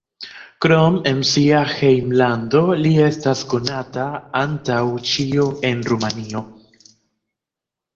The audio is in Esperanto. Krom en sia hejmlando li estas konata antaŭ ĉio en Rumanio.